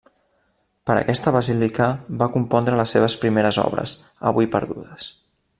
Per aquesta basílica va compondre les seves primeres obres, avui perdudes.